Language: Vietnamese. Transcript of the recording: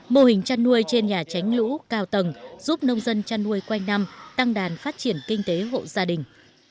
mô hình chăn nuôi trên nhà tránh lũ cao tầng giúp nông dân chăn nuôi quanh năm tăng đàn phát triển kinh tế hộ gia đình